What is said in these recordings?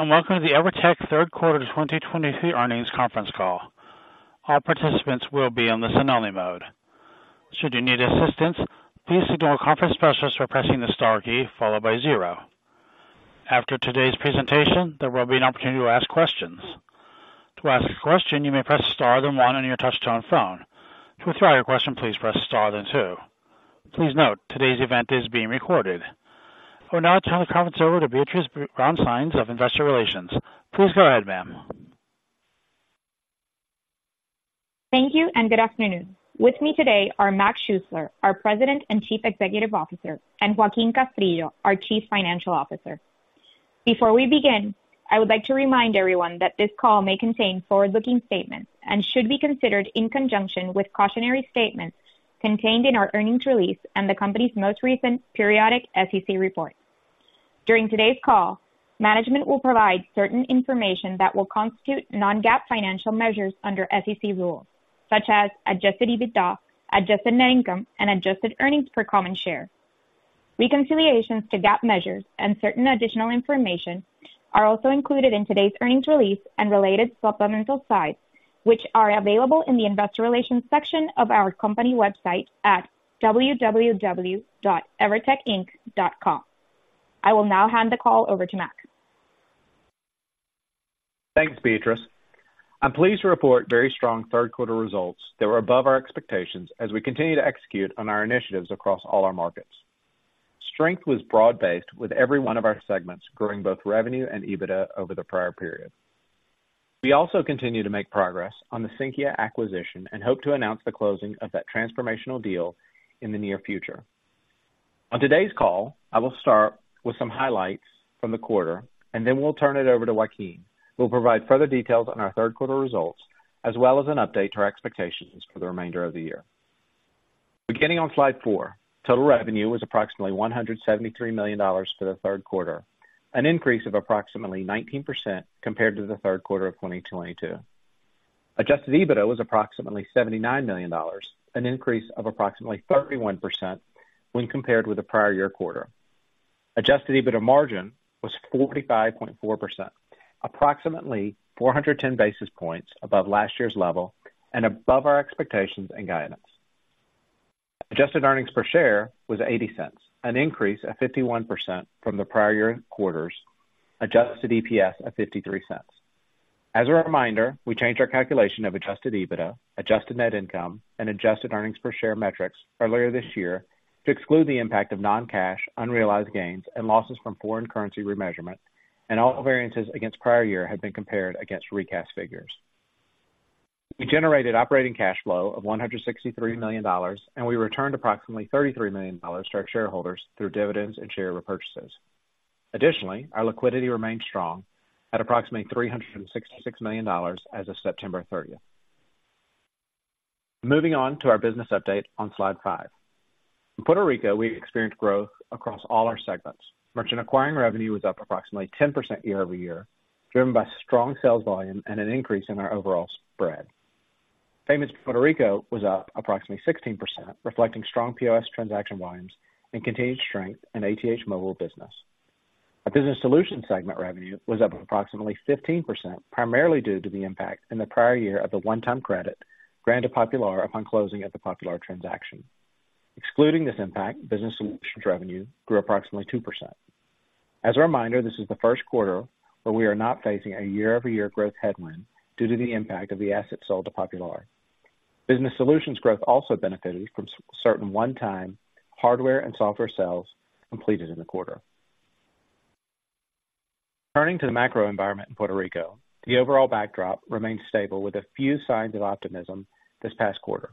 Hello, and welcome to the Evertec third quarter 2023 earnings conference call. All participants will be on the listen-only mode. Should you need assistance, please signal a conference specialist by pressing the star key followed by zero. After today's presentation, there will be an opportunity to ask questions. To ask a question, you may press star then one on your touchtone phone. To withdraw your question, please press star then two. Please note, today's event is being recorded. I will now turn the conference over to Beatriz Brown-Sáenz of Investor Relations. Please go ahead, ma'am. Thank you and good afternoon. With me today are Mac Schuessler, our President and Chief Executive Officer, and Joaquín Castrillo, our Chief Financial Officer. Before we begin, I would like to remind everyone that this call may contain forward-looking statements and should be considered in conjunction with cautionary statements contained in our earnings release and the company's most recent periodic SEC report. During today's call, management will provide certain information that will constitute non-GAAP financial measures under SEC rules, such adjusted net income, and Adjusted Earnings per common share. Reconciliations to GAAP measures and certain additional information are also included in today's earnings release and related supplemental slides, which are available in the investor relations section of our company website at www.evertecinc.com. I will now hand the call over to Mac. Thanks, Beatriz. I'm pleased to report very strong third quarter results that were above our expectations as we continue to execute on our initiatives across all our markets. Strength was broad-based, with every one of our segments growing both revenue and EBITDA over the prior period. We also continue to make progress on the Sinqia acquisition and hope to announce the closing of that transformational deal in the near future. On today's call, I will start with some highlights from the quarter, and then we'll turn it over to Joaquín, who will provide further details on our third quarter results, as well as an update to our expectations for the remainder of the year. Beginning on slide four, total revenue was approximately $173 million for the third quarter, an increase of approximately 19% compared to the third quarter of 2022. Adjusted EBITDA was approximately $79 million, an increase of approximately 31% when compared with the prior year quarter. Adjusted EBITDA margin was 45.4%, approximately 410 basis points above last year's level and above our expectations and guidance. Adjusted Earnings per share was $0.80, an increase of 51% from the prior year quarters, Adjusted EPS of $0.53. As a reminder, we changed our calculation adjusted net income, and Adjusted Earnings per share metrics earlier this year to exclude the impact of non-cash, unrealized gains and losses from foreign currency remeasurement, and all variances against prior year have been compared against recast figures. We generated operating cash flow of $163 million, and we returned approximately $33 million to our shareholders through dividends and share repurchases. Additionally, our liquidity remains strong at approximately $366 million as of September 30. Moving on to our business update on slide five. In Puerto Rico, we experienced growth across all our segments. Merchant acquiring revenue was up approximately 10% year-over-year, driven by strong sales volume and an increase in our overall spread. Payments Puerto Rico was up approximately 16%, reflecting strong POS transaction volumes and continued strength in ATH Móvil business. Our business solutions segment revenue was up approximately 15%, primarily due to the impact in the prior year of the one-time credit granted to Popular upon closing of the Popular Transaction. Excluding this impact, business solutions revenue grew approximately 2%. As a reminder, this is the first quarter where we are not facing a year-over-year growth headwind due to the impact of the assets sold to Popular. Business solutions growth also benefited from certain one-time hardware and software sales completed in the quarter. Turning to the macro environment in Puerto Rico, the overall backdrop remains stable with a few signs of optimism this past quarter.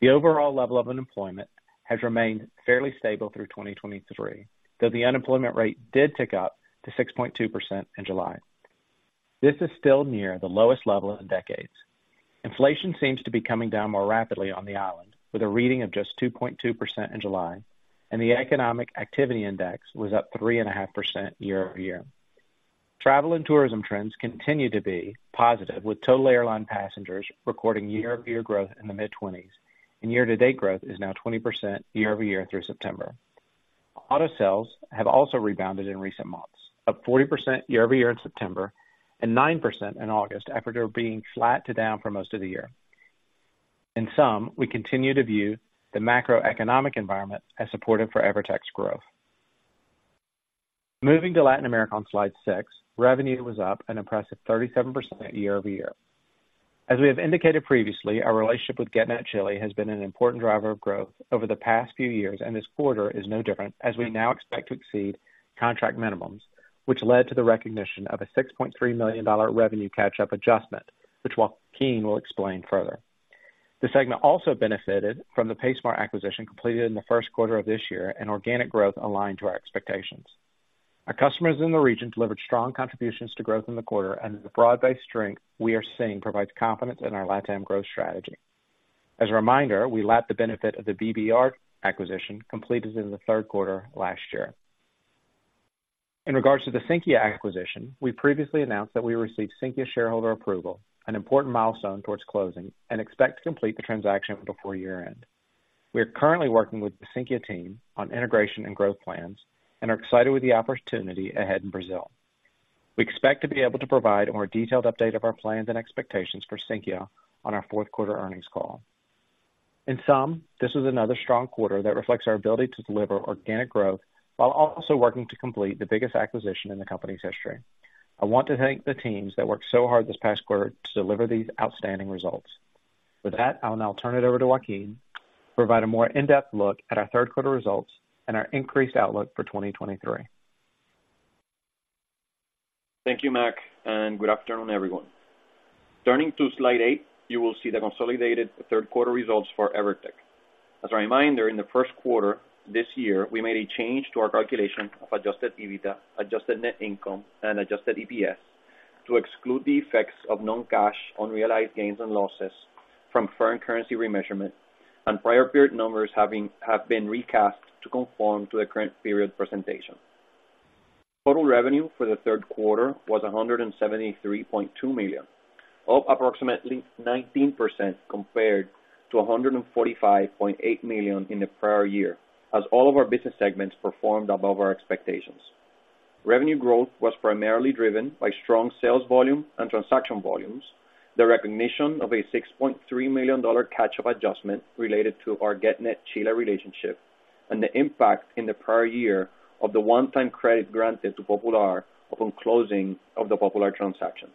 The overall level of unemployment has remained fairly stable through 2023, though the unemployment rate did tick up to 6.2% in July. This is still near the lowest level in decades. Inflation seems to be coming down more rapidly on the island, with a reading of just 2.2% in July, and the economic activity index was up 3.5% year-over-year. Travel and tourism trends continue to be positive, with total airline passengers recording year-over-year growth in the mid-20s, and year-to-date growth is now 20% year-over-year through September. Auto sales have also rebounded in recent months, up 40% year-over-year in September and 9% in August after being flat to down for most of the year. In sum, we continue to view the macroeconomic environment as supportive for Evertec's growth. Moving to Latin America on slide six, revenue was up an impressive 37% year-over-year. As we have indicated previously, our relationship with Getnet Chile has been an important driver of growth over the past few years, and this quarter is no different, as we now expect to exceed contract minimums, which led to the recognition of a $6.3 million revenue catch-up adjustment, which Joaquín will explain further. The segment also benefited from the paySmart acquisition completed in the first quarter of this year and organic growth aligned to our expectations. Our customers in the region delivered strong contributions to growth in the quarter, and the broad-based strength we are seeing provides confidence in our LatAm growth strategy. As a reminder, we lapped the benefit of the BBR acquisition completed in the third quarter last year. In regards to the Sinqia acquisition, we previously announced that we received Sinqia shareholder approval, an important milestone towards closing, and expect to complete the transaction before year-end. We are currently working with the Sinqia team on integration and growth plans, and are excited with the opportunity ahead in Brazil. We expect to be able to provide a more detailed update of our plans and expectations for Sinqia on our fourth quarter earnings call. In sum, this is another strong quarter that reflects our ability to deliver organic growth while also working to complete the biggest acquisition in the company's history. I want to thank the teams that worked so hard this past quarter to deliver these outstanding results. With that, I'll now turn it over to Joaquín to provide a more in-depth look at our third quarter results and our increased outlook for 2023. Thank you, Mac, and good afternoon, everyone. Turning to slide eight, you will see the consolidated third quarter results for Evertec. As a reminder, in the first quarter this year, we made a change to our calculation Adjusted Net Income and Adjusted EPS, to exclude the effects of non-cash unrealized gains and losses from foreign currency remeasurement and prior period numbers have been recast to conform to the current period presentation. Total revenue for the third quarter was $173.2 million, up approximately 19% compared to $145.8 million in the prior year, as all of our business segments performed above our expectations. Revenue growth was primarily driven by strong sales volume and transaction volumes, the recognition of a $6.3 million catch-up adjustment related to our Getnet Chile relationship, and the impact in the prior year of the one-time credit granted to Popular upon closing of the Popular Transaction.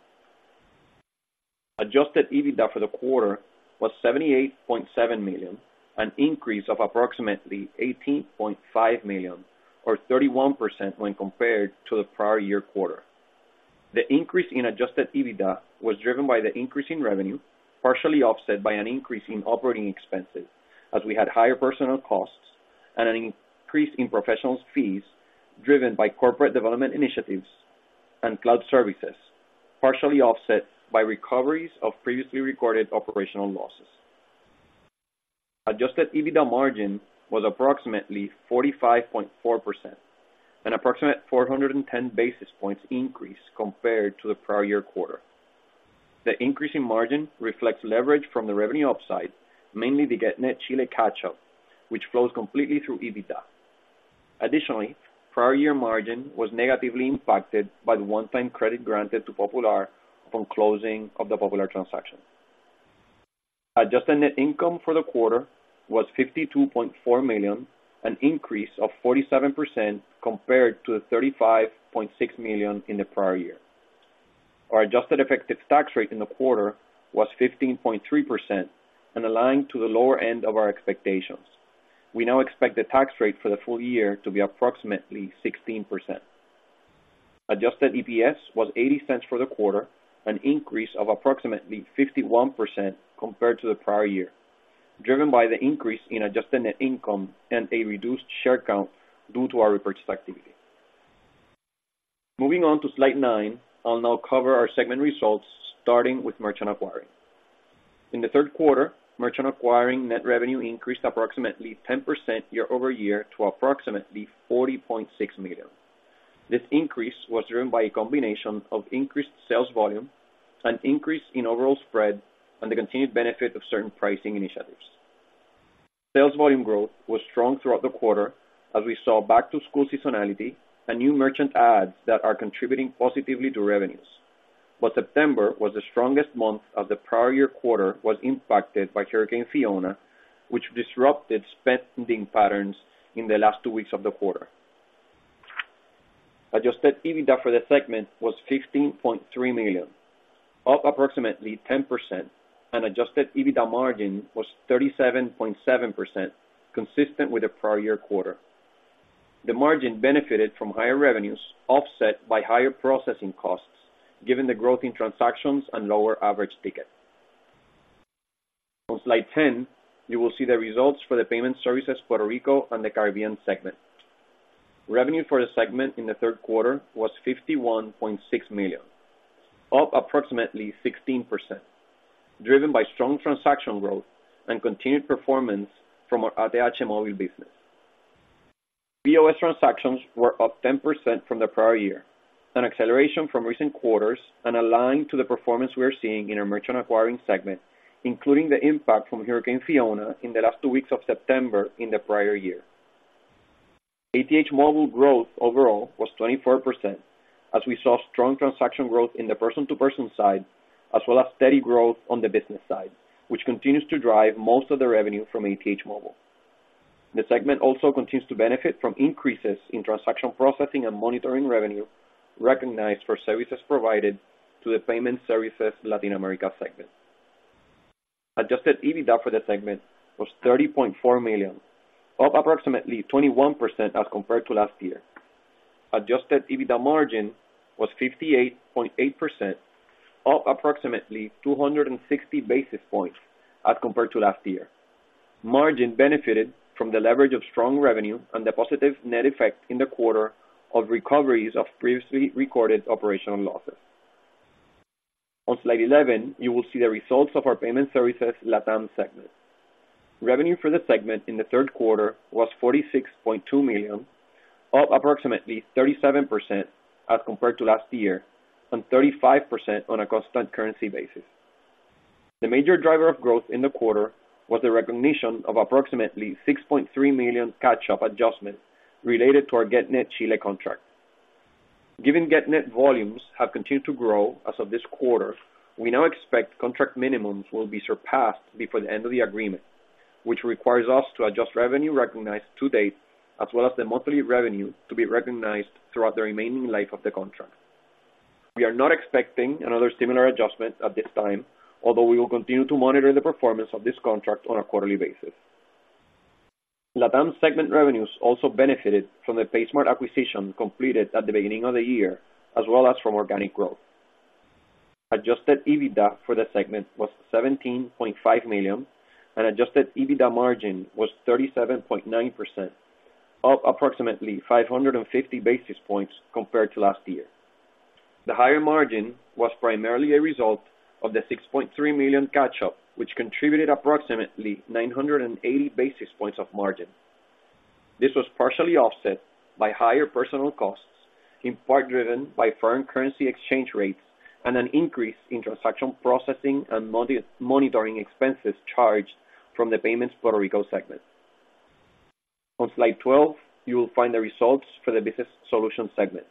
Adjusted EBITDA for the quarter was $78.7 million, an increase of approximately $18.5 million, or 31% when compared to the prior year quarter. The increase in Adjusted EBITDA was driven by the increase in revenue, partially offset by an increase in operating expenses, as we had higher personnel costs and an increase in professionals' fees, driven by corporate development initiatives and cloud services, partially offset by recoveries of previously recorded operational losses. Adjusted EBITDA margin was approximately 45.4%, an approximate 410 basis points increase compared to the prior year quarter. The increase in margin reflects leverage from the revenue upside, mainly the Getnet Chile catch-up, which flows completely through EBITDA. Additionally, prior year margin was negatively impacted by the one-time credit granted to Popular upon closing of the Adjusted Net Income for the quarter was $52.4 million, an increase of 47% compared to the $35.6 million in the prior year. Our Adjusted Effective Tax Rate in the quarter was 15.3% and aligned to the lower end of our expectations. We now expect the tax rate for the full year to be approximately 16%. Adjusted EPS was $0.80 for the quarter, an increase of approximately 51% compared to the prior year, driven by the Adjusted Net Income and a reduced share count due to our repurchase activity. Moving on to slide nine, I'll now cover our segment results, starting with merchant acquiring. In the third quarter, merchant acquiring net revenue increased approximately 10% year-over-year to approximately $40.6 million. This increase was driven by a combination of increased sales volume, an increase in overall spread, and the continued benefit of certain pricing initiatives. Sales volume growth was strong throughout the quarter as we saw back-to-school seasonality and new merchant ads that are contributing positively to revenues. But September was the strongest month of the prior year quarter, which was impacted by Hurricane Fiona, which disrupted spending patterns in the last two weeks of the quarter. Adjusted EBITDA for the segment was $15.3 million, up approximately 10%, and Adjusted EBITDA margin was 37.7%, consistent with the prior year quarter. The margin benefited from higher revenues, offset by higher processing costs, given the growth in transactions and lower average ticket. On slide 10, you will see the results for the payment services Puerto Rico and the Caribbean segment. Revenue for the segment in the third quarter was $51.6 million, up approximately 16%, driven by strong transaction growth and continued performance from our ATH Móvil business. POS transactions were up 10% from the prior year, an acceleration from recent quarters and aligned to the performance we are seeing in our merchant acquiring segment, including the impact from Hurricane Fiona in the last two weeks of September in the prior year. ATH Móvil growth overall was 24%, as we saw strong transaction growth in the person-to-person side, as well as steady growth on the business side, which continues to drive most of the revenue from ATH Móvil. The segment also continues to benefit from increases in transaction processing and monitoring revenue recognized for services provided to the Payment Services Latin America segment. Adjusted EBITDA for the segment was $30.4 million, up approximately 21% as compared to last year. Adjusted EBITDA margin was 58.8%, up approximately 260 basis points as compared to last year. Margin benefited from the leverage of strong revenue and the positive net effect in the quarter of recoveries of previously recorded operational losses. On slide 11, you will see the results of our Payment Services LatAm segment. Revenue for the segment in the third quarter was $46.2 million... up approximately 37% as compared to last year, and 35% on a constant currency basis. The major driver of growth in the quarter was the recognition of approximately $6.3 million catch-up adjustments related to our Getnet Chile contract. Given Getnet volumes have continued to grow as of this quarter, we now expect contract minimums will be surpassed before the end of the agreement, which requires us to adjust revenue recognized to date, as well as the monthly revenue to be recognized throughout the remaining life of the contract. We are not expecting another similar adjustment at this time, although we will continue to monitor the performance of this contract on a quarterly basis. LATAM segment revenues also benefited from the paySmart acquisition completed at the beginning of the year, as well as from organic growth. Adjusted EBITDA for the segment was $17.5 million, and Adjusted EBITDA margin was 37.9%, up approximately 550 basis points compared to last year. The higher margin was primarily a result of the $6.3 million catch-up, which contributed approximately 980 basis points of margin. This was partially offset by higher personnel costs, in part driven by foreign currency exchange rates and an increase in transaction processing and monitoring expenses charged from the Payments Puerto Rico segment. On slide 12, you will find the results for the Business Solutions segment.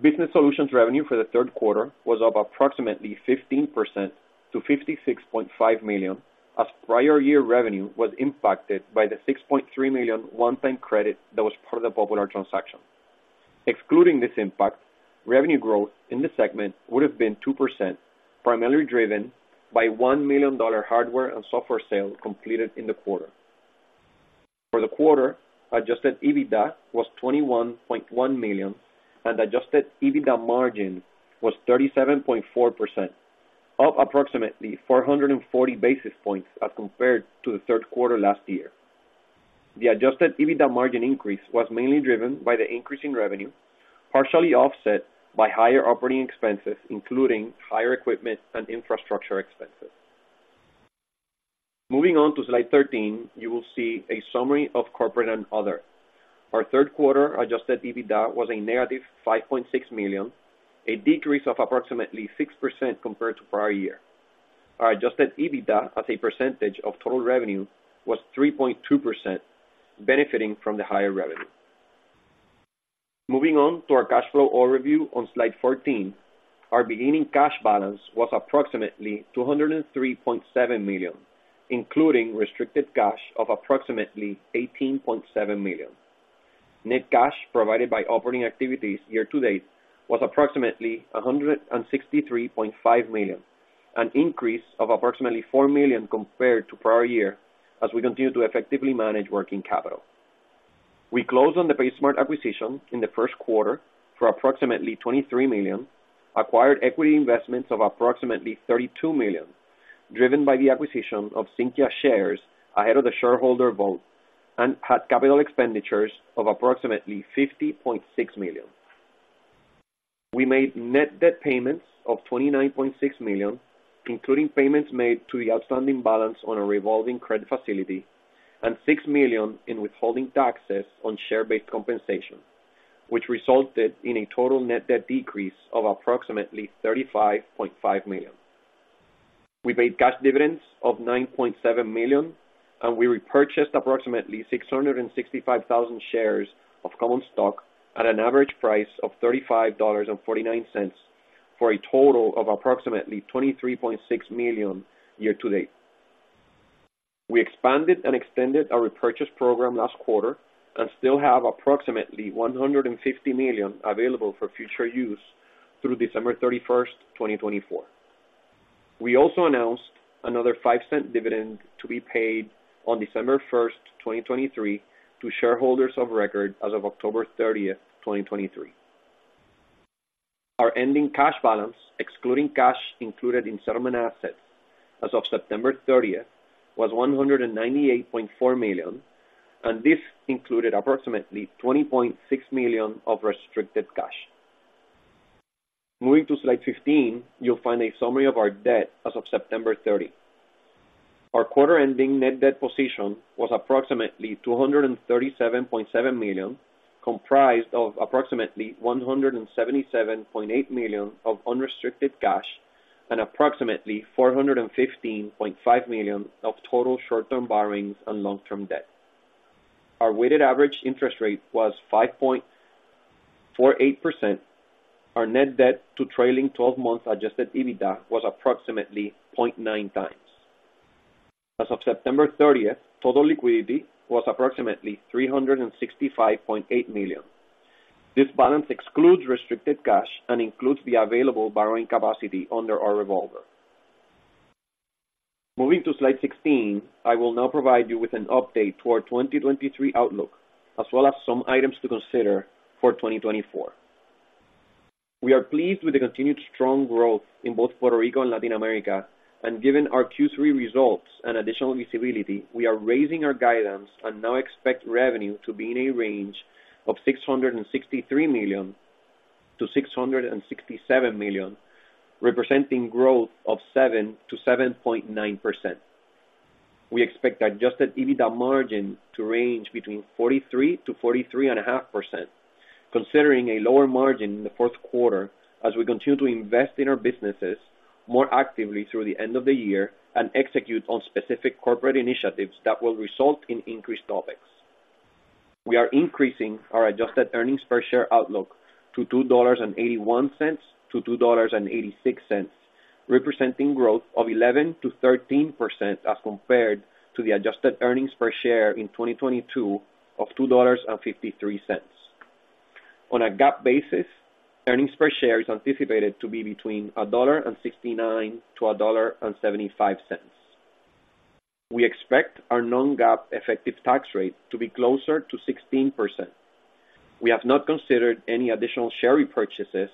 Business Solutions revenue for the third quarter was up approximately 15% to $56.5 million, as prior year revenue was impacted by the $6.3 million one-time credit that was part of the Popular Transaction. Excluding this impact, revenue growth in the segment would have been 2%, primarily driven by $1 million hardware and software sale completed in the quarter. For the quarter, Adjusted EBITDA was $21.1 million, and Adjusted EBITDA margin was 37.4%, up approximately 440 basis points as compared to the third quarter last year. The Adjusted EBITDA margin increase was mainly driven by the increase in revenue, partially offset by higher operating expenses, including higher equipment and infrastructure expenses. Moving on to slide 13, you will see a summary of corporate and other. Our third quarter Adjusted EBITDA was a negative $5.6 million, a decrease of approximately 6% compared to prior year. Our Adjusted EBITDA as a percentage of total revenue was 3.2%, benefiting from the higher revenue. Moving on to our cash flow overview on slide 14. Our beginning cash balance was approximately $203.7 million, including restricted cash of approximately $18.7 million. Net cash provided by operating activities year-to-date was approximately $163.5 million, an increase of approximately $4 million compared to prior year, as we continue to effectively manage working capital. We closed on the paySmart acquisition in the first quarter for approximately $23 million, acquired equity investments of approximately $32 million, driven by the acquisition of Sinqia shares ahead of the shareholder vote, and had capital expenditures of approximately $50.6 million. We made net debt payments of $29.6 million, including payments made to the outstanding balance on a revolving credit facility and $6 million in withholding taxes on share-based compensation, which resulted in a total net debt decrease of approximately $35.5 million. We paid cash dividends of $9.7 million, and we repurchased approximately 665,000 shares of common stock at an average price of $35.49, for a total of approximately $23.6 million year to date. We expanded and extended our repurchase program last quarter and still have approximately $150 million available for future use through December 31, 2024. We also announced another $0.05 dividend to be paid on December 1st, 2023, to shareholders of record as of October 30th, 2023. Our ending cash balance, excluding cash included in settlement assets as of September 30th, was $198.4 million, and this included approximately $20.6 million of restricted cash. Moving to slide 15, you'll find a summary of our debt as of September 30. Our quarter-ending net debt position was approximately $237.7 million, comprised of approximately $177.8 million of unrestricted cash and approximately $415.5 million of total short-term borrowings and long-term debt. Our weighted average interest rate was 5.48%. Our net debt to trailing twelve-month Adjusted EBITDA was approximately 0.9x. As of September 30th, total liquidity was approximately $365.8 million. This balance excludes restricted cash and includes the available borrowing capacity under our revolver. Moving to slide 16, I will now provide you with an update to our 2023 outlook, as well as some items to consider for 2024. We are pleased with the continued strong growth in both Puerto Rico and Latin America, and given our Q3 results and additional visibility, we are raising our guidance and now expect revenue to be in a range of $663 million-$667 million, representing growth of 7%-7.9%. We expect Adjusted EBITDA margin to range between 43%-43.5%, considering a lower margin in the fourth quarter as we continue to invest in our businesses more actively through the end of the year and execute on specific corporate initiatives that will result in increased OpEx. We are increasing our Adjusted Earnings per share outlook to $2.81-$2.86, representing growth of 11%-13% as compared to the Adjusted Earnings per share in 2022 of $2.53. On a GAAP basis, earnings per share is anticipated to be between $1.69-$1.75. We expect our non-GAAP effective tax rate to be closer to 16%. We have not considered any additional share repurchases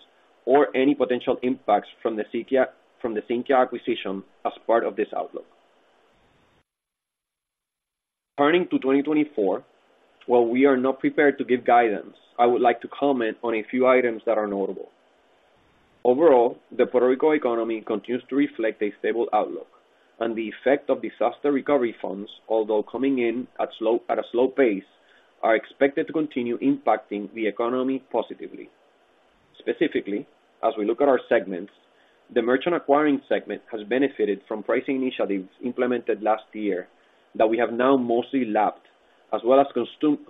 or any potential impacts from the Sinqia, from the Sinqia acquisition as part of this outlook. Turning to 2024, while we are not prepared to give guidance, I would like to comment on a few items that are notable. Overall, the Puerto Rico economy continues to reflect a stable outlook, and the effect of disaster recovery funds, although coming in at a slow pace, are expected to continue impacting the economy positively. Specifically, as we look at our segments, the merchant acquiring segment has benefited from pricing initiatives implemented last year that we have now mostly lapped, as well as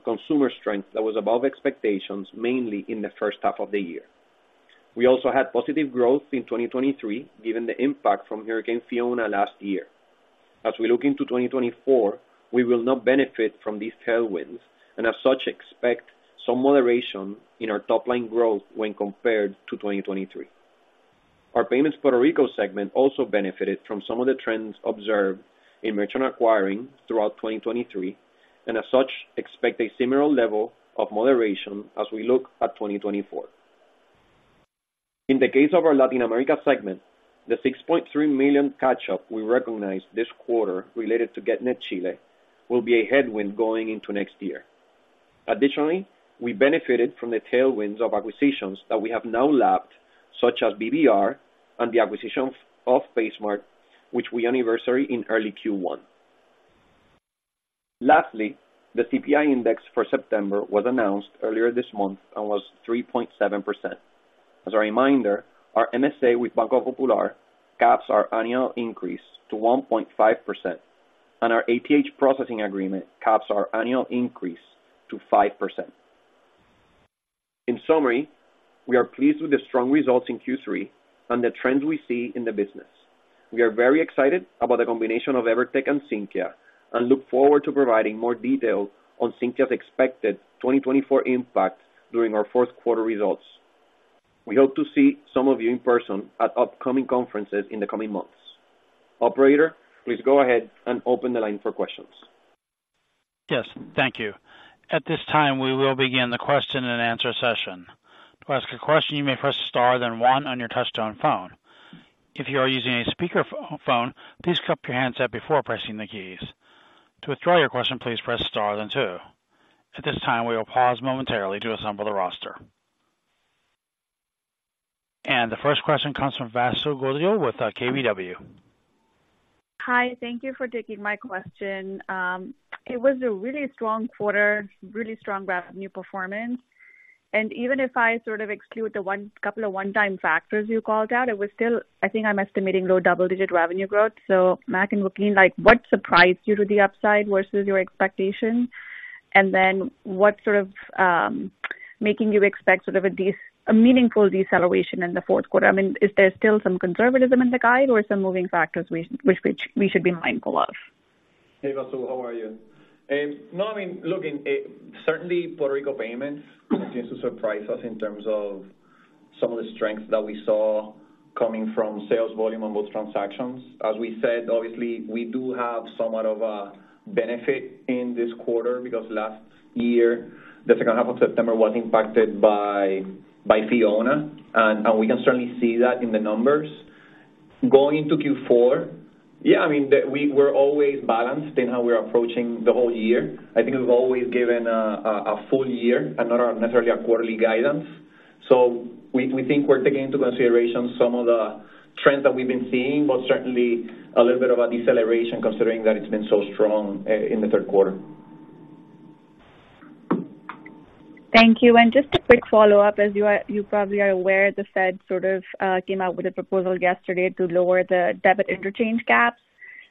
consumer strength that was above expectations, mainly in the first half of the year. We also had positive growth in 2023, given the impact from Hurricane Fiona last year. As we look into 2024, we will not benefit from these tailwinds, and as such, expect some moderation in our top line growth when compared to 2023. Our payments Puerto Rico segment also benefited from some of the trends observed in merchant acquiring throughout 2023, and as such, expect a similar level of moderation as we look at 2024. In the case of our Latin America segment, the $6.3 million catch-up we recognized this quarter related to Getnet Chile, will be a headwind going into next year. Additionally, we benefited from the tailwinds of acquisitions that we have now lapped, such as BBR and the acquisition of paySmart, which we anniversary in early Q1. Lastly, the CPI Index for September was announced earlier this month and was 3.7%. As a reminder, our MSA with Banco Popular caps our annual increase to 1.5%, and our ATH processing agreement caps our annual increase to 5%. In summary, we are pleased with the strong results in Q3 and the trends we see in the business. We are very excited about the combination of Evertec and Sinqia, and look forward to providing more detail on Sinqia's expected 2024 impact during our fourth quarter results. We hope to see some of you in person at upcoming conferences in the coming months. Operator, please go ahead and open the line for questions. Yes, thank you. At this time, we will begin the question and answer session. To ask a question, you may press star, then one on your touchtone phone. If you are using a speakerphone, please cup your handset before pressing the keys. To withdraw your question, please press star then two. At this time, we will pause momentarily to assemble the roster. The first question comes from Vasu Govil with KBW. Hi, thank you for taking my question. It was a really strong quarter, really strong revenue performance, and even if I sort of exclude the couple of one-time factors you called out, it was still, I think I'm estimating, low double-digit revenue growth. So Mac and Joaquín, like, what surprised you to the upside versus your expectations? And then, what sort of making you expect sort of a meaningful deceleration in the fourth quarter? I mean, is there still some conservatism in the guide or some moving factors which we should be mindful of? Hey, Vasu, how are you? No, I mean, look, certainly Puerto Rico payments continues to surprise us in terms of some of the strengths that we saw coming from sales volume on those transactions. As we said, obviously, we do have somewhat of a benefit in this quarter because last year, the second half of September was impacted by Fiona, and we can certainly see that in the numbers. Going into Q4, yeah, I mean, we're always balanced in how we're approaching the whole year. I think we've always given a full year and not necessarily a quarterly guidance. So we think we're taking into consideration some of the trends that we've been seeing, but certainly a little bit of a deceleration considering that it's been so strong in the third quarter. Thank you. And just a quick follow-up, as you are, you probably are aware, the Fed sort of came out with a proposal yesterday to lower the debit interchange caps.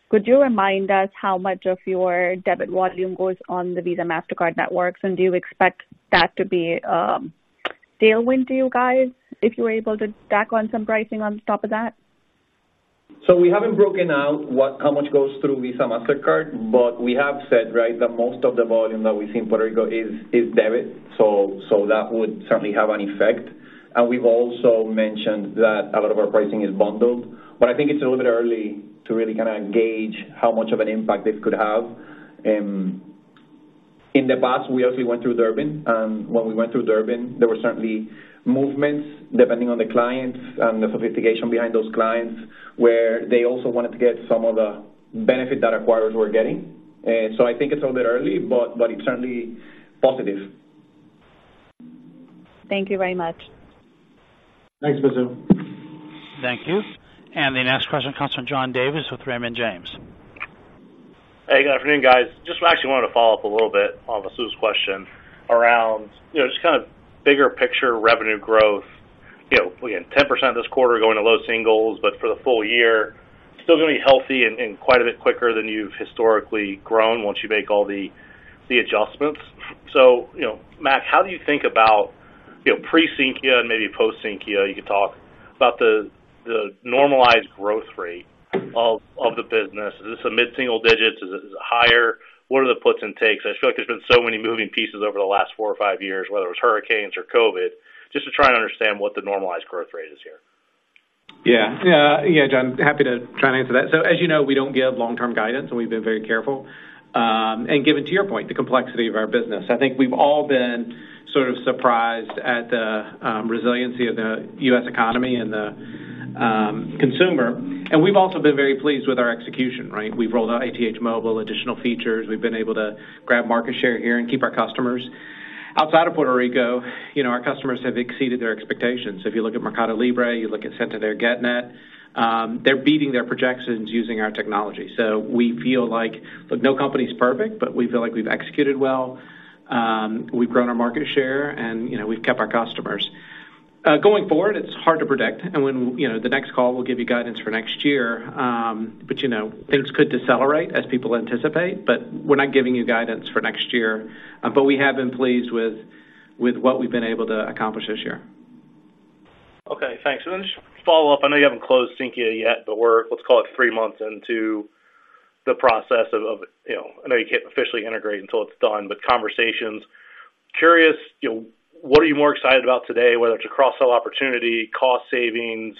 Could you remind us how much of your debit volume goes on the Visa, Mastercard networks? And do you expect that to be a tailwind to you guys, if you were able to tack on some pricing on top of that? We haven't broken out what-- how much goes through Visa, Mastercard, but we have said, right, that most of the volume that we see in Puerto Rico is debit, so that would certainly have an effect. We've also mentioned that a lot of our pricing is bundled. I think it's a little bit early to really kind of gauge how much of an impact this could have. In the past, we obviously went through Durbin, and when we went through Durbin, there were certainly movements, depending on the clients and the sophistication behind those clients, where they also wanted to get some of the benefit that acquirers were getting. Eh, I think it's a bit early, but it's certainly positive. Thank you very much. Thanks, Vasu. Thank you. The next question comes from John Davis with Raymond James. Hey, good afternoon, guys. Just actually wanted to follow up a little bit on Vasu's question around, you know, just kind of bigger picture revenue growth. You know, again, 10% this quarter going to low singles, but for the full year, still going to be healthy and, and quite a bit quicker than you've historically grown once you make all the, the adjustments. So, you know, Mac, how do you think about, you know, pre-Sinqia and maybe post-Sinqia? You could talk about the, the normalized growth rate of, of the business. Is this a mid-single digits? Is it higher? What are the puts and takes? I feel like there's been so many moving pieces over the last four or five years, whether it was hurricanes or COVID, just to try and understand what the normalized growth rate is here. Yeah. Yeah, John, happy to try and answer that. So as you know, we don't give long-term guidance, and we've been very careful. Given to your point, the complexity of our business, I think we've all been sort of surprised at the resiliency of the U.S. economy and the consumer. We've also been very pleased with our execution, right? We've rolled out ATH Móvil, additional features. We've been able to grab market share here and keep our customers. Outside of Puerto Rico, you know, our customers have exceeded their expectations. If you look at Mercado Libre, you look at Santander GetNet, they're beating their projections using our technology. So we feel like. Look, no company is perfect, but we feel like we've executed well, we've grown our market share, and, you know, we've kept our customers. Going forward, it's hard to predict, and when, you know, the next call, we'll give you guidance for next year, but, you know, things could decelerate as people anticipate, but we're not giving you guidance for next year. But we have been pleased with what we've been able to accomplish this year. Okay, thanks. Then just follow up. I know you haven't closed Sinqia yet, but we're, let's call it, three months into the process of, you know, I know you can't officially integrate until it's done, but conversations. Curious, you know, what are you more excited about today, whether it's a cross-sell opportunity, cost savings,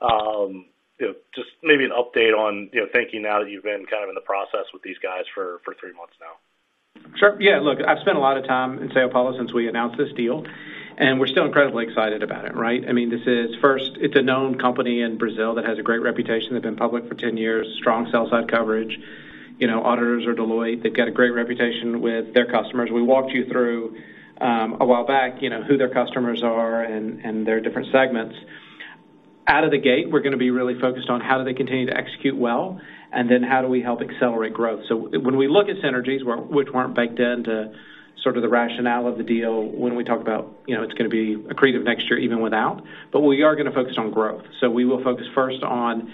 you know, just maybe an update on, you know, thinking now that you've been kind of in the process with these guys for three months now? Sure. Yeah, look, I've spent a lot of time in São Paulo since we announced this deal, and we're still incredibly excited about it, right? I mean, this is, first, it's a known company in Brazil that has a great reputation. They've been public for ten years, strong sell side coverage. You know, auditors are Deloitte. They've got a great reputation with their customers. We walked you through, a while back, you know, who their customers are and their different segments. Out of the gate, we're gonna be really focused on how do they continue to execute well, and then how do we help accelerate growth? So when we look at synergies, which weren't baked into sort of the rationale of the deal, when we talk about, you know, it's gonna be accretive next year, even without, but we are gonna focus on growth. We will focus first on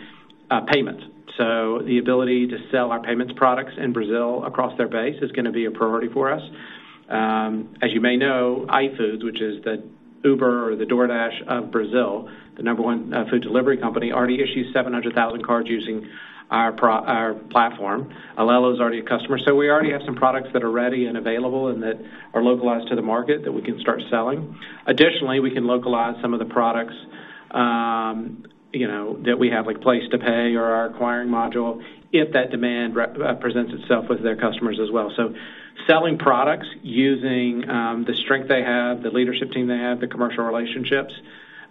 payments. The ability to sell our payments products in Brazil across their base is gonna be a priority for us. As you may know, iFood, which is the Uber or the DoorDash of Brazil, the number one food delivery company, already issues 700,000 cards using our platform. Alelo is already a customer, so we already have some products that are ready and available and that are localized to the market that we can start selling. Additionally, we can localize some of the products, you know, that we have, like PlacetoPay or our acquiring module, if that demand presents itself with their customers as well. Selling products, using the strength they have, the leadership team they have, the commercial relationships,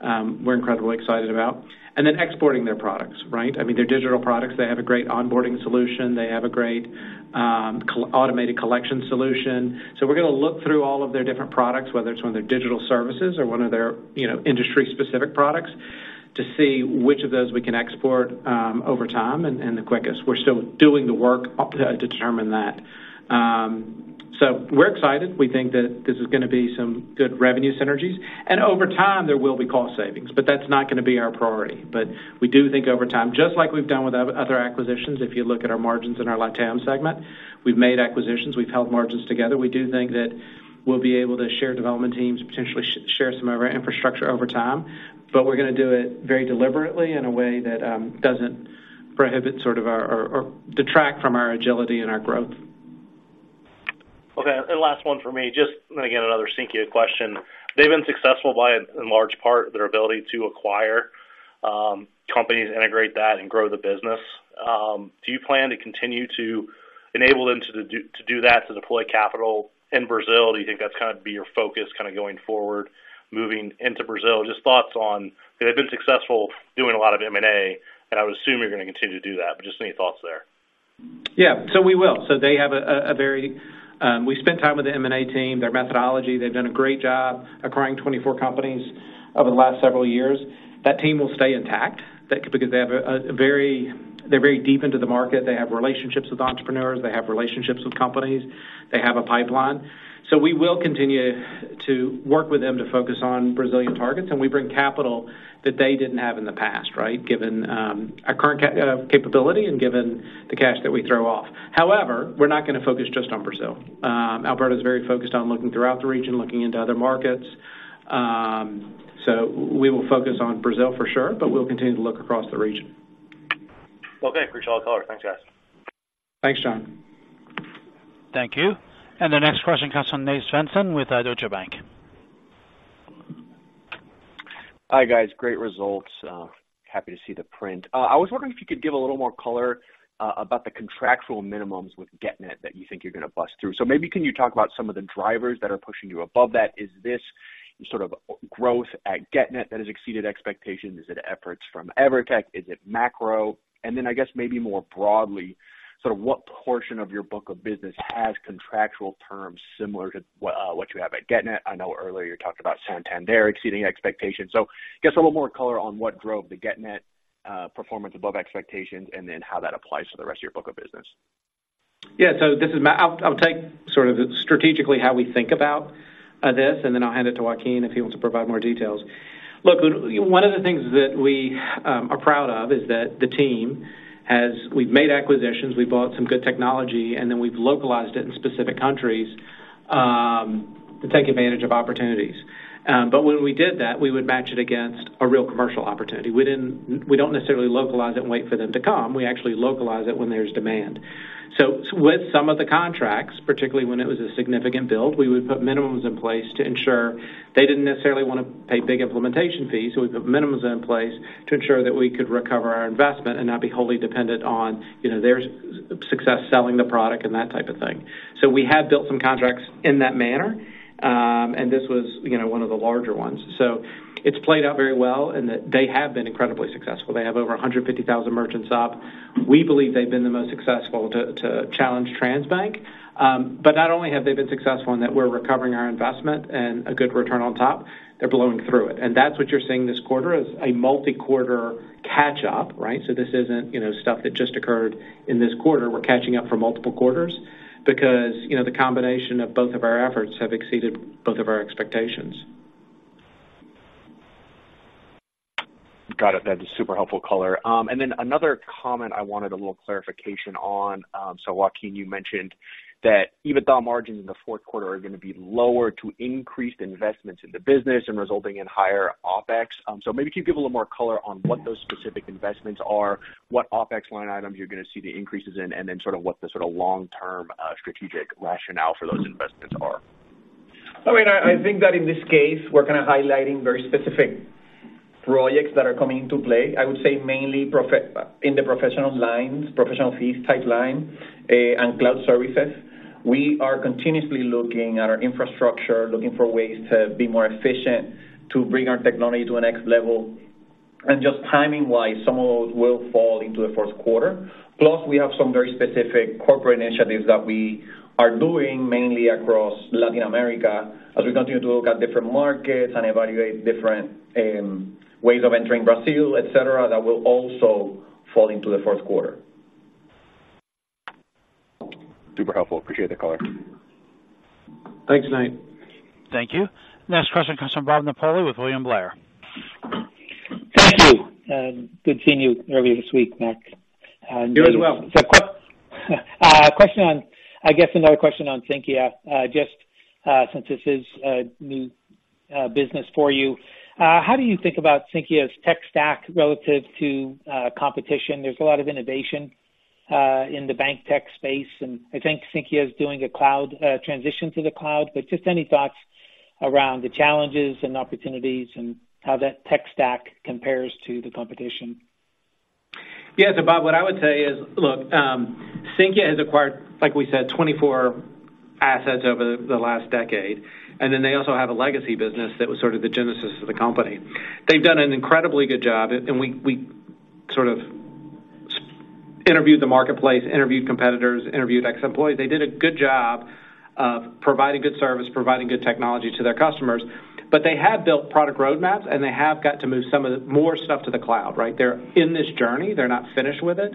we're incredibly excited about. And then exporting their products, right? I mean, they're digital products. They have a great onboarding solution. They have a great automated collection solution. So we're gonna look through all of their different products, whether it's one of their digital services or one of their, you know, industry-specific products, to see which of those we can export over time and the quickest. We're still doing the work to determine that. So we're excited. We think that this is gonna be some good revenue synergies, and over time, there will be cost savings, but that's not gonna be our priority. But we do think over time, just like we've done with other acquisitions, if you look at our margins in our LatAm segment, we've made acquisitions, we've held margins together. We do think that we'll be able to share development teams, potentially share some of our infrastructure over time, but we're gonna do it very deliberately in a way that doesn't prohibit or detract from our agility and our growth. Okay, and last one for me, just, again, another Sinqia question. They've been successful by and large part, their ability to acquire, companies, integrate that, and grow the business. Do you plan to continue to enable them to do, to do that, to deploy capital in Brazil? Do you think that's kind of be your focus kind of going forward, moving into Brazil? Just thoughts on... They've been successful doing a lot of M&A, and I would assume you're gonna continue to do that, but just any thoughts there? Yeah, we will. They have a very-- We spent time with the M&A team, their methodology. They've done a great job acquiring 24 companies over the last several years. That team will stay intact because they are very deep into the market. They have relationships with entrepreneurs, they have relationships with companies, they have a pipeline. We will continue to work with them to focus on Brazilian targets, and we bring capital that they didn't have in the past, right? Given our current capability and given the cash that we throw off. However, we're not gonna focus just on Brazil. Alberto is very focused on looking throughout the region, looking into other markets. We will focus on Brazil for sure, but we'll continue to look across the region. Okay, appreciate all the color. Thanks, guys. Thanks, John. Thank you. The next question comes from Nate Svensson with Deutsche Bank. Hi, guys. Great results. Happy to see the print. I was wondering if you could give a little more color about the contractual minimums with GetNet that you think you're gonna bust through. So maybe can you talk about some of the drivers that are pushing you above that? Is this sort of growth at GetNet that has exceeded expectations? Is it efforts from Evertec? Is it macro? And then, I guess, maybe more broadly, sort of what portion of your book of business has contractual terms similar to what, what you have at GetNet? I know earlier you talked about Santander exceeding expectations. So I guess a little more color on what drove the GetNet performance above expectations and then how that applies to the rest of your book of business? Yeah, so this is Matt. I'll take sort of strategically how we think about this, and then I'll hand it to Joaquín if he wants to provide more details. Look, one of the things that we are proud of is that the team has. We've made acquisitions, we've bought some good technology, and then we've localized it in specific countries to take advantage of opportunities. But when we did that, we would match it against a real commercial opportunity. We didn't. We don't necessarily localize it and wait for them to come. We actually localize it when there's demand. So with some of the contracts, particularly when it was a significant build, we would put minimums in place to ensure they didn't necessarily want to pay big implementation fees. So we put minimums in place to ensure that we could recover our investment and not be wholly dependent on, you know, their success selling the product and that type of thing. So we have built some contracts in that manner, and this was, you know, one of the larger ones. So it's played out very well and that they have been incredibly successful. They have over 150,000 merchants up. We believe they've been the most successful to challenge Transbank. But not only have they been successful in that we're recovering our investment and a good return on top, they're blowing through it. And that's what you're seeing this quarter is a multi-quarter catch up, right? So this isn't, you know, stuff that just occurred in this quarter. We're catching up for multiple quarters because, you know, the combination of both of our efforts have exceeded both of our expectations. Got it. That's a super helpful color. Then another comment I wanted a little clarification on. So Joaquin, you mentioned that EBITDA margins in the fourth quarter are gonna be lower to increased investments in the business and resulting in higher OpEx. So maybe can you give a little more color on what those specific investments are, what OpEx line items you're gonna see the increases in, and then sort of what the sort of long-term strategic rationale for those investments are? I mean, I think that in this case, we're kind of highlighting very specific projects that are coming into play. I would say mainly in the professional lines, professional fees type line, and cloud services. We are continuously looking at our infrastructure, looking for ways to be more efficient, to bring our technology to a next level, and just timing-wise, some of those will fall into the fourth quarter. Plus, we have some very specific corporate initiatives that we are doing mainly across Latin America, as we continue to look at different markets and evaluate different ways of entering Brazil, et cetera, that will also fall into the fourth quarter. Super helpful. Appreciate the color. Thanks, Nate. Thank you. Next question comes from Bob Napoli with William Blair. Thank you. Good seeing you earlier this week, Mac. You as well. Question on—I guess another question on Sinqia. Just, since this is a new business for you, how do you think about Sinqia's tech stack relative to competition? There's a lot of innovation in the bank tech space, and I think Sinqia is doing a cloud transition to the cloud. But just any thoughts around the challenges and opportunities and how that tech stack compares to the competition? Yeah. So, Bob, what I would say is, look, Sinqia has acquired, like we said, 24 assets over the last decade, and then they also have a legacy business that was sort of the genesis of the company. They've done an incredibly good job, and we sort of interviewed the marketplace, interviewed competitors, interviewed ex-employees. They did a good job of providing good service, providing good technology to their customers, but they have built product roadmaps, and they have got to move some of the more stuff to the cloud, right? They're in this journey. They're not finished with it.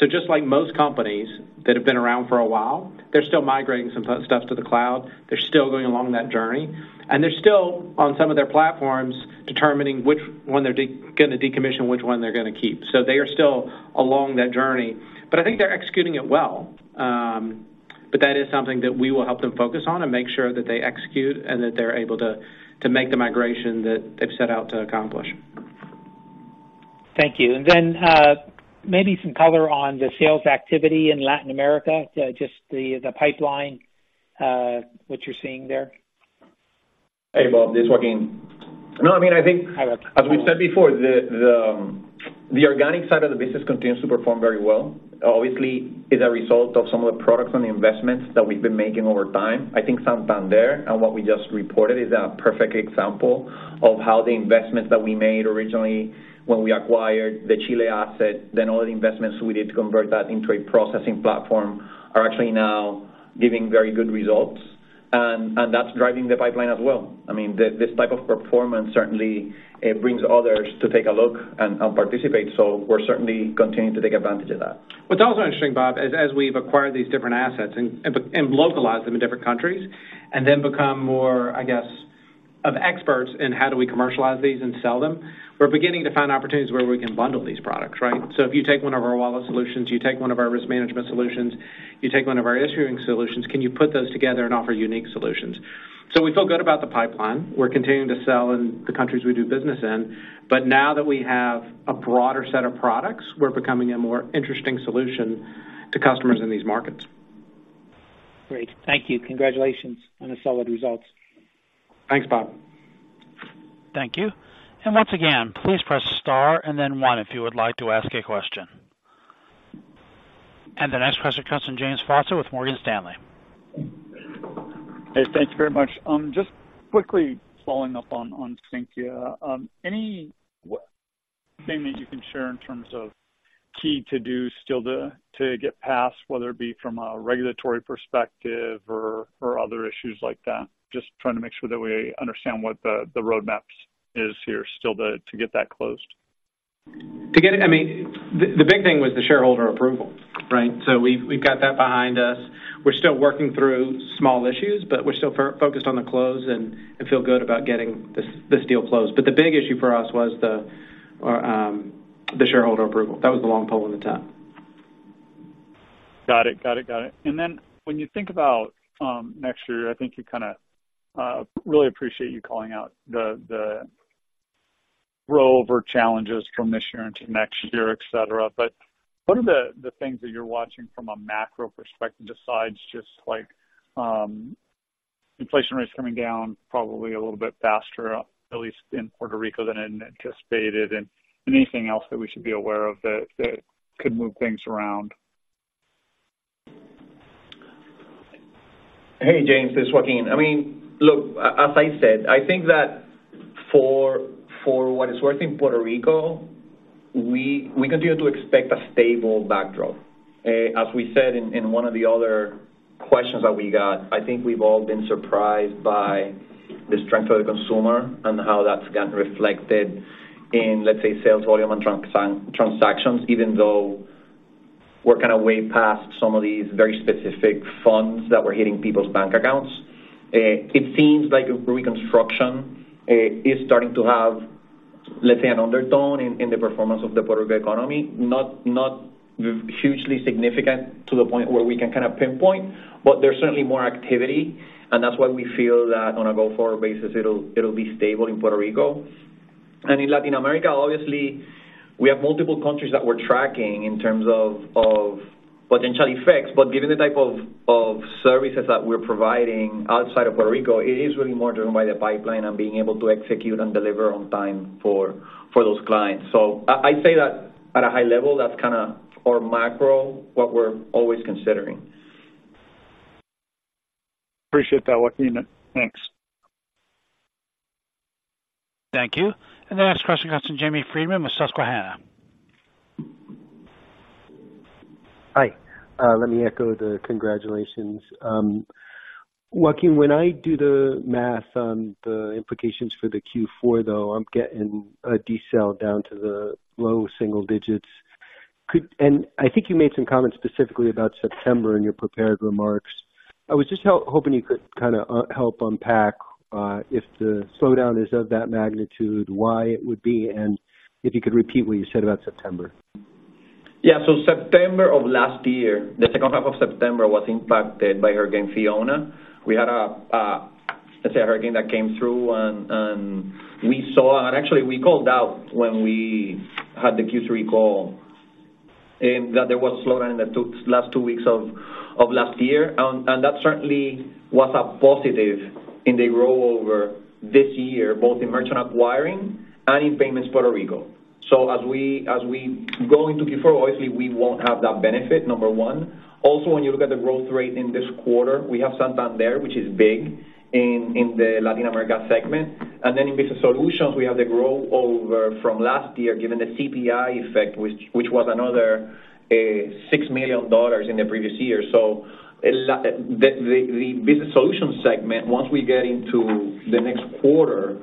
So just like most companies that have been around for a while, they're still migrating some stuff to the cloud, they're still going along that journey, and they're still on some of their platforms, determining which one they're gonna decommission, which one they're gonna keep. So they are still along that journey, but I think they're executing it well. But that is something that we will help them focus on and make sure that they execute and that they're able to make the migration that they've set out to accomplish. Thank you. And then, maybe some color on the sales activity in Latin America, just the pipeline, what you're seeing there. Hey, Bob, this is Joaquín. No, I mean, I think- Hi, Joaquin. As we've said before, the organic side of the business continues to perform very well. Obviously, it's a result of some of the products and the investments that we've been making over time. I think Santander and what we just reported is a perfect example of how the investments that we made originally when we acquired the Chile asset, then all the investments we did to convert that into a processing platform, are actually now giving very good results, and that's driving the pipeline as well. I mean, this type of performance certainly brings others to take a look and participate, so we're certainly continuing to take advantage of that. What's also interesting, Bob, is as we've acquired these different assets and localized them in different countries, and then become more, I guess, of experts in how do we commercialize these and sell them, we're beginning to find opportunities where we can bundle these products, right? So if you take one of our wallet solutions, you take one of our risk management solutions, you take one of our issuing solutions, can you put those together and offer unique solutions? So we feel good about the pipeline. We're continuing to sell in the countries we do business in, but now that we have a broader set of products, we're becoming a more interesting solution to customers in these markets. Great. Thank you. Congratulations on the solid results. Thanks, Bob. Thank you. And once again, please press star and then one if you would like to ask a question. And the next question comes from James Faucette with Morgan Stanley. Hey, thank you very much. Just quickly following up on Sinqia. Anything that you can share in terms ofkey to do still to get past, whether it be from a regulatory perspective or other issues like that? Just trying to make sure that we understand what the roadmap is here, still to get that closed. To get it, I mean, the big thing was the shareholder approval, right? So we've got that behind us. We're still working through small issues, but we're still focused on the close and feel good about getting this deal closed. But the big issue for us was the shareholder approval. That was the long pole in the tent. Got it. Got it, got it. And then when you think about next year, I think you kind of really appreciate you calling out the, the rollover challenges from this year into next year, et cetera. But what are the, the things that you're watching from a macro perspective, besides just like inflation rates coming down probably a little bit faster, at least in Puerto Rico, than had anticipated, and anything else that we should be aware of that, that could move things around? Hey, James, it's Joaquín. I mean, look, as I said, I think that for what it's worth, in Puerto Rico, we continue to expect a stable backdrop. As we said in one of the other questions that we got, I think we've all been surprised by the strength of the consumer and how that's gotten reflected in, let's say, sales volume and transactions, even though we're kind of way past some of these very specific funds that were hitting people's bank accounts. It seems like reconstruction is starting to have, let's say, an undertone in the performance of the Puerto Rico economy. Not hugely significant to the point where we can kind of pinpoint, but there's certainly more activity, and that's why we feel that on a go-forward basis, it'll be stable in Puerto Rico. In Latin America, obviously, we have multiple countries that we're tracking in terms of potential effects, but given the type of services that we're providing outside of Puerto Rico, it is really more driven by the pipeline and being able to execute and deliver on time for those clients. So I'd say that at a high level, that's kind of our macro, what we're always considering. Appreciate that, Joaquín. Thanks. Thank you. And the next question comes from Jamie Friedman with Susquehanna. Hi, let me echo the congratulations. Joaquín, when I do the math on the implications for the Q4, though, I'm getting a decel down to the low single digits. I think you made some comments specifically about September in your prepared remarks. I was just hoping you could kind of help unpack if the slowdown is of that magnitude, why it would be, and if you could repeat what you said about September. Yeah. September of last year, the second half of September was impacted by Hurricane Fiona. We had a, let's say, a hurricane that came through and we saw... Actually, we called out when we had the Q3 call that there was a slowdown in the last two weeks of last year. That certainly was a positive in the rollover this year, both in merchant acquiring and in payments, Puerto Rico. As we go into Q4, obviously, we won't have that benefit, number one. Also, when you look at the growth rate in this quarter, we have Santander, which is big in the Latin America segment. In business solutions, we have the growth over from last year, given the CPI effect, which was another $6 million in the previous year. So, the business solutions segment, once we get into the next quarter,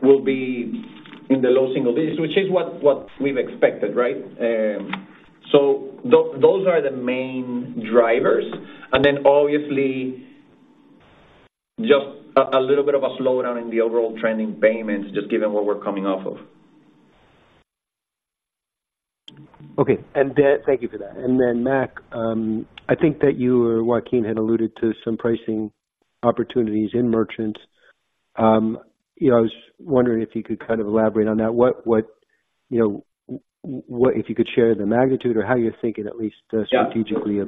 will be in the low single digits, which is what we've expected, right? So those are the main drivers. And then obviously, just a little bit of a slowdown in the overall trending payments, just given what we're coming off of. Okay. And then... Thank you for that. And then, Mac, I think that you or Joaquín had alluded to some pricing opportunities in merchants. You know, I was wondering if you could kind of elaborate on that. What, you know, what if you could share the magnitude or how you're thinking at least strategically- Yeah.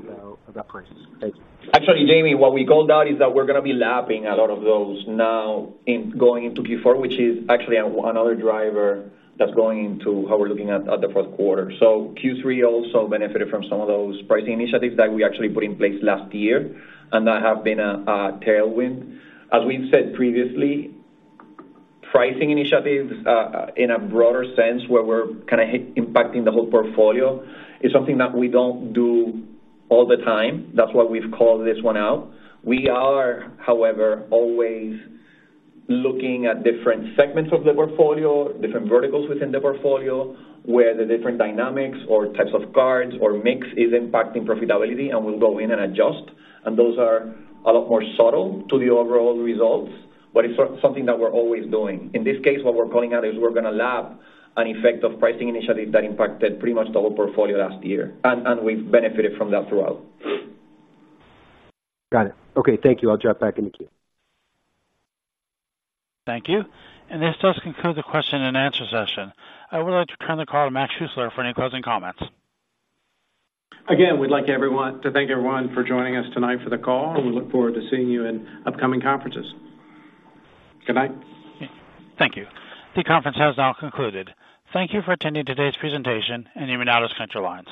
About prices? Thanks. Actually, Jamie, what we called out is that we're gonna be lapping a lot of those now in going into Q4, which is actually another driver that's going into how we're looking at the fourth quarter. So Q3 also benefited from some of those pricing initiatives that we actually put in place last year, and that have been a tailwind. As we've said previously, pricing initiatives in a broader sense, where we're kind of impacting the whole portfolio, is something that we don't do all the time. That's why we've called this one out. We are, however, always looking at different segments of the portfolio, different verticals within the portfolio, where the different dynamics or types of cards or mix is impacting profitability, and we'll go in and adjust. Those are a lot more subtle to the overall results, but it's something that we're always doing. In this case, what we're calling out is we're gonna lap an effect of pricing initiatives that impacted pretty much the whole portfolio last year, and we've benefited from that throughout. Got it. Okay, thank you. I'll drop back in the queue. Thank you. This does conclude the question and answer session. I would like to turn the call to Mac Schuessler for any closing comments. Again, we'd like everyone to thank everyone for joining us tonight for the call, and we look forward to seeing you in upcoming conferences. Good night. Thank you. The conference has now concluded. Thank you for attending today's presentation and you may now disconnect your lines.